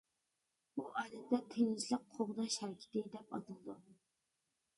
بۇ ئادەتتە «تىنچلىق قوغداش ھەرىكىتى» دەپ ئاتىلىدۇ.